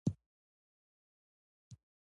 ښوونه د ټولنې د بدلون وسیله ده